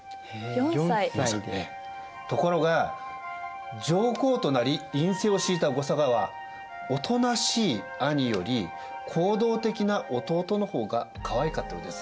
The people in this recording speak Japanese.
ところが上皇となり院政をしいた後嵯峨はおとなしい兄より行動的な弟の方がかわいかったようです。